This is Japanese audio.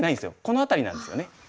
この辺りなんですよね。